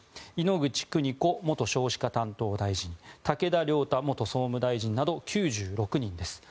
猪口邦子元少子化担当大臣武田良太元総務大臣など９６人です。